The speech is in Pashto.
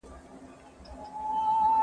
تاسو د چاپیریال په پاک ساتلو اخته یاست.